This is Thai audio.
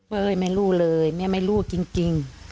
ไม่รู้เลยแม่ไม่รู้จริง